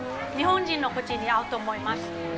日本人の口に合うと思います。